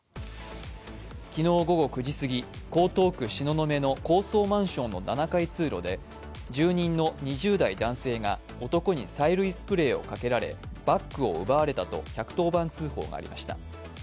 昨日午後９時過ぎ、江東区東雲の高層マンションの７階通路で、住人の２０代男性が男に催涙スプレーをかけられバッグを奪われたと１１０番通報がありました。